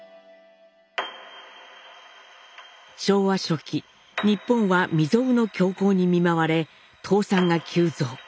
昭和初期日本は未曽有の恐慌に見舞われ倒産が急増。